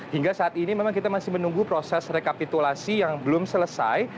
hingga saat ini memang kita masih menunggu proses rekapitulasi yang belum selesai